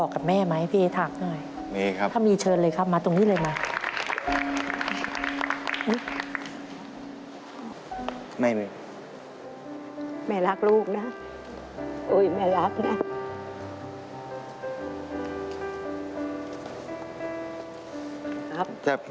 ขอบคุณครับ